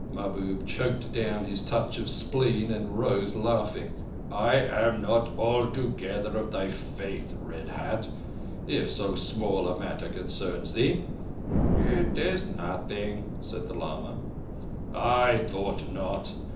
Mahbub choked down his touch of spleen and rose laughing. "I am not altogether of thy faith, Red Hat—if so small a matter concern thee." "It is nothing," said the lama. "I thought not.